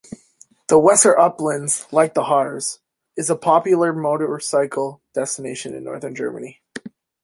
The Weser Uplands, like the Harz, is a popular motorcycle destination in northern Germany.